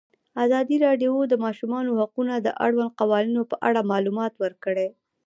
ازادي راډیو د د ماشومانو حقونه د اړونده قوانینو په اړه معلومات ورکړي.